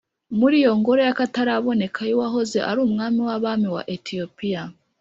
muri iyo ngoro y'akataraboneka y'uwahoze ari umwami w'abami wa etiyopiya,